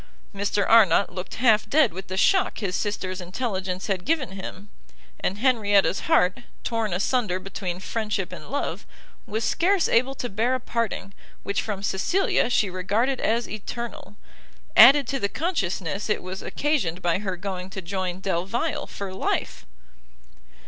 Mr Arnott looked half dead with the shock his sister's intelligence had given him, and Henrietta's heart, torn asunder between friendship and love, was scarce able to bear a parting, which from Cecilia, she regarded as eternal, added to the consciousness it was occasioned by her going to join Delvile for life!